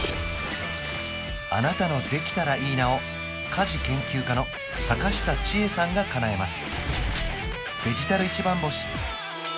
あなたの「できたらいいな」を家事研究家の阪下千恵さんがかなえます